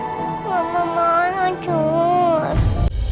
gak mau mauan cuus